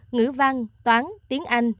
ngữ văn toán tiếng anh